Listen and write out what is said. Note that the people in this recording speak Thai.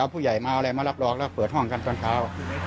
กับผู้ใหญ่มั้งมารับรอกแล้วเปิดห้องกันตอนเช้า